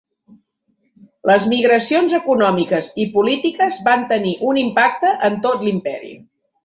Les migracions econòmiques i polítiques van tenir un impacte en tot l'imperi.